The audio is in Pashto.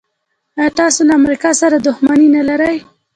آیا دوی له امریکا سره دښمني نلري؟